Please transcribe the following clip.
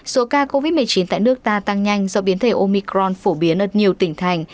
số ca covid một mươi chín tại nước ta tăng nhanh do biến thể omicron phổ biến ở nhiều tỉnh thành